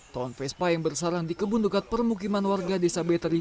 ton vespa yang bersarang di kebun dekat permukiman warga desa beteri